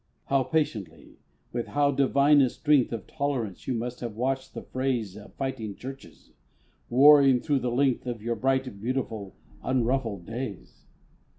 How patiently with how divine a strength Of tolerance you must have watched the frays Of fighting churches warring through the length Of your bright, beautiful, unruffled days!